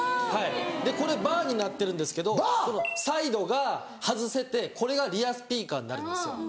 これバーになってるんですけどサイドが外せてこれがリアスピーカーになるんですよ。